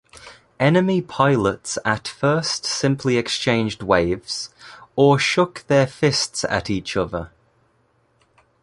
Enemy pilots at first simply exchanged waves, or shook their fists at each other.